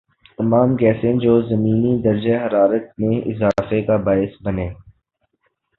تمام گیسیں جو زمینی درجہ حرارت میں اضافے کا باعث بنیں